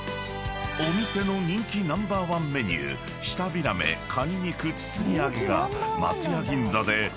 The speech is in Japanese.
［お店の人気ナンバーワンメニュー舌平目かに肉包揚げが］